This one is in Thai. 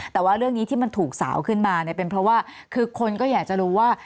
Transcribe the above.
แต่ว่าเรื่องนี้ที่มันถูกสาวขึ้นมาเนี่ยเป็นเพราะว่าคือคนก็อยากจะรู้ว่า